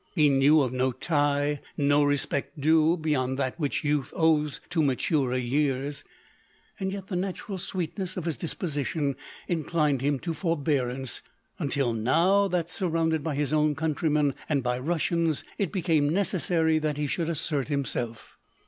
He knew of no tic, no re spect due, beyond that which youth owes to maturer years; yet the natural sweetness of his disposition inclined him to forbearance, until now, that surrounded by his own countrymen and by Itussians, it became necessary that he should assert himself.